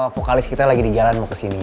vokalis kita lagi di jalan mau kesini